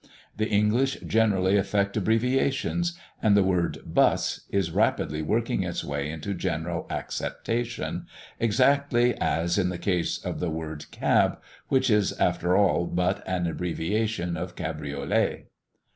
The English generally affect abbreviations; and the word "bus" is rapidly working its way into general acceptation, exactly as in the case of the word "cab," which is after all but an abbreviation of "cabriolet."